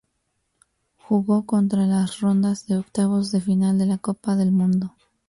Jugó contra en las ronda de octavos de final de la Copa del Mundo.